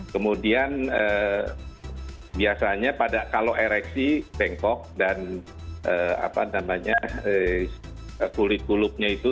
kemudian biasanya pada kalau ereksi bengkok dan kulit gulupnya itu